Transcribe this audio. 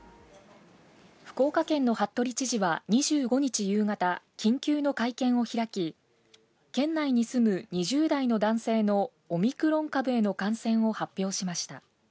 福岡県の服部知事は２５日夕方、緊急の会見を開き県内に住む２０代の男性のオミクロン株への感染を発表しました。